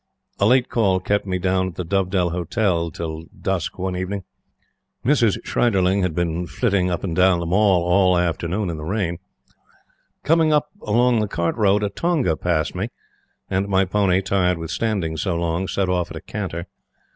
A late call kept me down at the Dovedell Hotel till dusk one evening. Mrs. Schreidlerling had been flitting up and down the Mall all the afternoon in the rain. Coming up along the Cart road, a tonga passed me, and my pony, tired with standing so long, set off at a canter.